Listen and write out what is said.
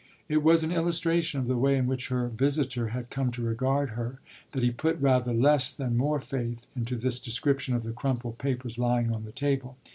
It was an illustration of the way in which her visitor had come to regard her that he put rather less than more faith into this description of the crumpled papers lying on the table.